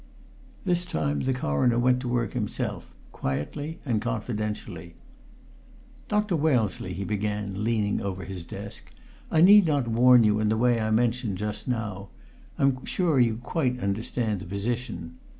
This time the Coroner went to work himself, quietly and confidentially. "Dr. Wellesley," he began, leaning over his desk, "I need not warn you in the way I mentioned just now: I'm sure you quite understand the position.